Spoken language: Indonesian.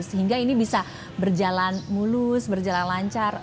sehingga ini bisa berjalan mulus berjalan lancar pak aki